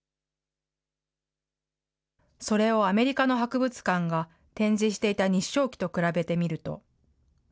それをアメリカの博物館が、展示していた日章旗と比べてみると。